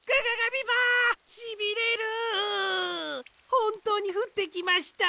ほんとうにふってきました。